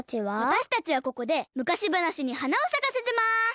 わたしたちはここでむかしばなしにはなをさかせてます。